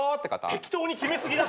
適当に決め過ぎだって。